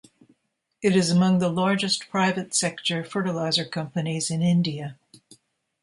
It is among the largest private sector fertiliser companies in India.